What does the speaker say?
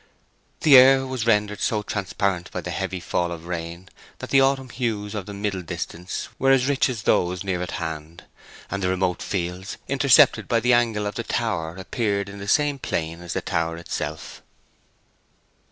The air was rendered so transparent by the heavy fall of rain that the autumn hues of the middle distance were as rich as those near at hand, and the remote fields intercepted by the angle of the tower appeared in the same plane as the tower itself.